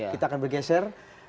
kita akan bergeser